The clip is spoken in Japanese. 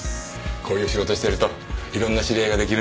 こういう仕事をしてるといろんな知り合いが出来るんです。